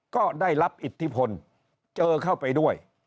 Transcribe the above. ก็ได้รับอิทธิพลเจอเข้าไปด้วย